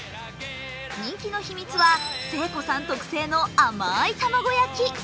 人気の秘密は、誠子さん特製の甘い卵焼き。